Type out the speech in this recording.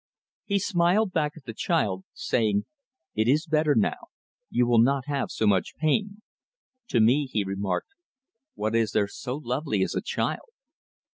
He smiled back at the child, saying: "It is better now; you will not have so much pain." To me he remarked, "What is there so lovely as a child?"